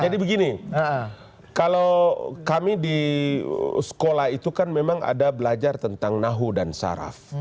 jadi begini kalau kami di sekolah itu kan memang ada belajar tentang nahu dan saraf